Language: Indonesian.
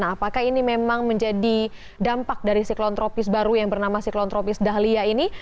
apakah ini memang menjadi dampak dari siklon tropis baru yang bernama siklon tropis dahlia ini